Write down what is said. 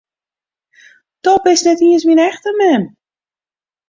Do bist net iens myn echte mem!